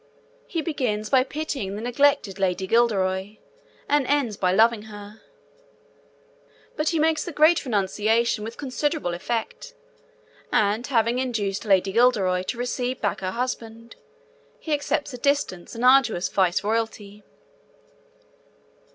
He begins by pitying the neglected Lady Guilderoy, and ends by loving her, but he makes the great renunciation with considerable effect, and, having induced Lady Guilderoy to receive back her husband, he accepts 'a distant and arduous Viceroyalty.'